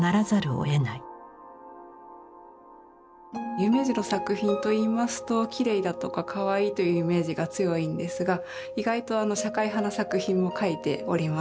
夢二の作品といいますときれいだとかかわいいというイメージが強いんですが意外と社会派の作品も描いております。